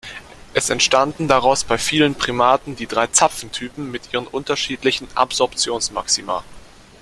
Es entstanden daraus bei vielen Primaten die drei Zapfentypen mit ihren unterschiedlichen Absorptionsmaxima.